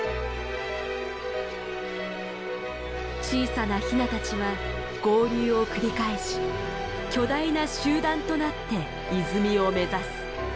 小さなヒナたちは合流を繰り返し巨大な集団となって泉を目指す。